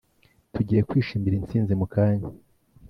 tugiye kwishimira intsinzi mukanya.